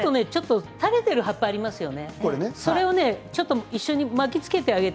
垂れている食べている葉っぱがありますね。